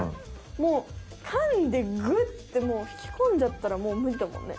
もうかんでグッて引き込んじゃったらもうむりだもんね。